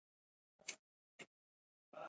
افغانستان په منی غني دی.